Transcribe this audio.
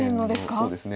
そうですね。